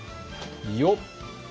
よっ。